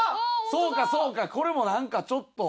そうかそうかこれも何かちょっと。